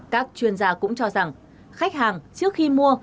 các chuyên gia cũng cho rằng khách hàng trước khi mua